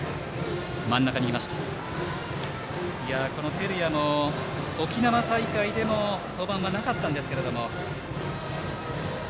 照屋の沖縄大会での登板はなかったんですけれども。